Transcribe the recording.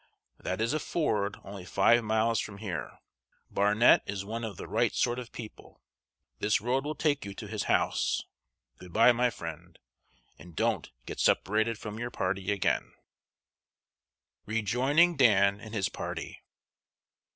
"That is a ford only five miles from here. Barnet is one of the right sort of people. This road will take you to his house. Good by, my friend, and don't get separated from your party again." [Sidenote: REJOINING DAN AND HIS PARTY.